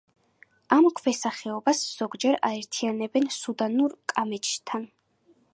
ამ ქვესახეობას ზოგჯერ აერთიანებენ სუდანურ კამეჩთან.